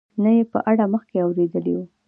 نه یې په اړه مخکې اورېدلي وو.